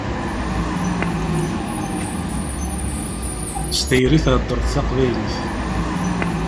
S tayri i theddṛeḍ taqbaylit.